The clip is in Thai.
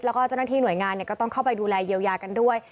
แล้วก็เจ้าหน้าที่หน่วยงานก็ต้องเข้าไปดูแลเยียวยากันด้วย